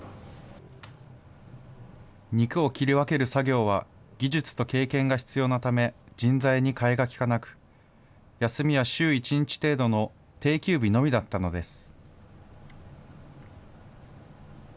肉を切り分ける作業は技術と経験が必要なため、人材に代えがきかなく、休みは週１日程度の定休日のみだったのです。